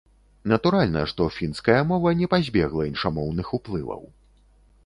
Натуральна, што фінская мова не пазбегла іншамоўных уплываў.